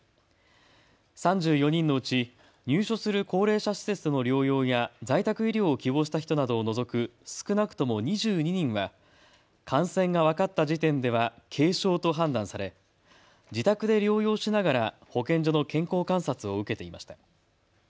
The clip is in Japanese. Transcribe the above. ３４人のうち入所する高齢者施設の療養や在宅医療を希望した人などを除く少なくとも２２人は感染が分かった時点では軽症と判断され自宅で療養しながら保健所の健康観察を受けていました。